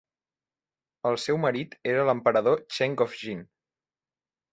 El seu marit era l'emperador Cheng of Jin.